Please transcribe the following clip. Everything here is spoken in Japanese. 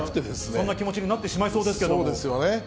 そんな気持ちになってしまいそうですよね。